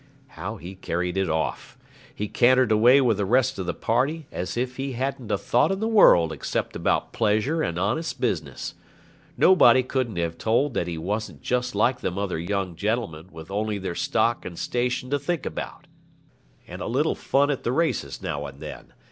How he carried it off! He cantered away with the rest of the party, as if he hadn't a thought in the world except about pleasure and honest business. Nobody couldn't have told that he wasn't just like them other young gentlemen with only their stock and station to think about, and a little fun at the races now and then.